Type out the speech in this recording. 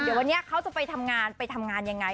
เดี๋ยววันนี้เขาจะไปทำงานไปทำงานยังไง